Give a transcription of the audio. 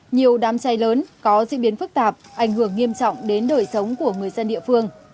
nhiều đám cháy lớn có diễn biến phức tạp ảnh hưởng nghiêm trọng đến đời sống của người dân địa phương